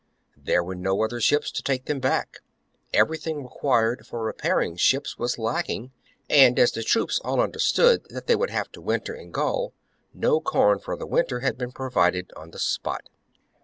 There were no other ships to take them back ; everything required for repairing ships was lacking ; and, as the troops all understood that they would have to winter in Gaul, no corn for the winter had been provided on the spot.